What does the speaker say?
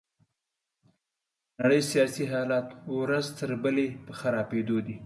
د نړۍ سياسي حالات ورځ تر بلې په خرابيدو دي.